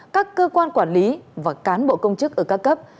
các cơ quan quản lý và cán bộ công chức ở các cấp